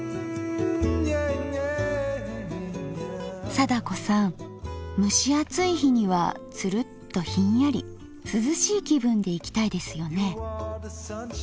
貞子さん蒸し暑い日にはツルッとひんやり涼しい気分でいきたいですよね。